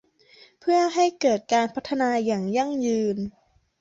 เพื่อให้เกิดการพัฒนาอย่างยั่งยืน